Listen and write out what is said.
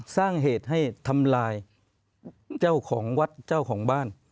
ขึ้นสารอะไรครับ